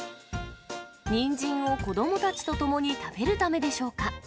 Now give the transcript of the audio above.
ニンジンを子どもたちとともに食べるためでしょうか。